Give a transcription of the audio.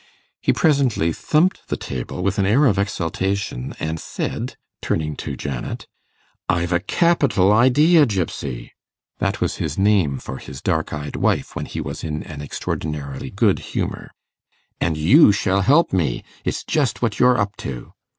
He presently thumped the table with an air of exultation, and, said turning to Janet, 'I've a capital idea, Gypsy!' (that was his name for his dark eyed wife when he was in an extraordinarily good humour), 'and you shall help me. It's just what you're up to.